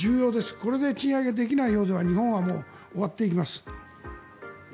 これで賃上げができないようでは日本はもう終わっていきます。